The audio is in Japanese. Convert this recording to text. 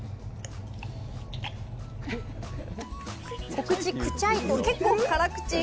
おくちくちゃいと結構辛口！